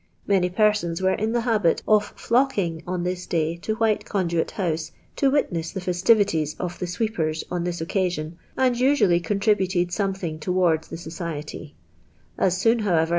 Many persons were in tho habit of llocking on this dav U White <\):iduit House to witness the festivities of the sweep Til on this orcasion, and u?iliI1v contri buted ^oalething towards the societv. As soon, hijwever.